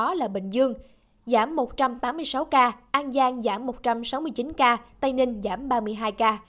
đó là bình dương giảm một trăm tám mươi sáu ca an giang giảm một trăm sáu mươi chín ca tây ninh giảm ba mươi hai ca